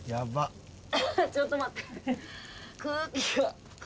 ちょっと待って。